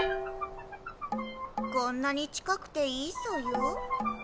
こんなに近くていいソヨ？